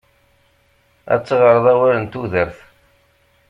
Ad teɣreḍ awal n tudert.